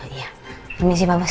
iya permisi pak bos